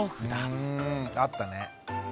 うんあったね。